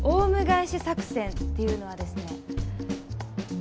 返し作戦っていうのはですね